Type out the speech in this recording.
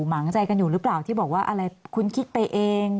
หมางใจกันอยู่หรือเปล่าที่บอกว่าอะไรคุณคิดไปเอง